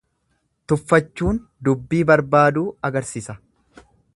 Tuffachuun dubbii barbaaduu agarsisa.